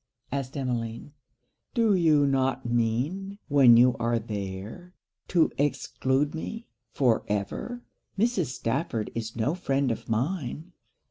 asked Emmeline. 'Do you not mean, when you are there, to exclude me for ever? Mrs. Stafford is no friend of mine.'